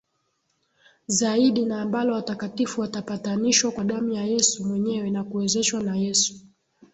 Zaidi na ambalo watakatifu watapatanishwa kwa damu ya Yesu mwenyewe na kuwezeshwa na Yesu